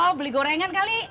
oh beli gorengan kali